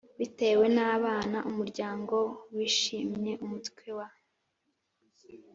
bitewe n abana Umuryango wishimye umutwe wa